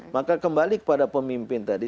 maka kembali kepada pemimpin tadi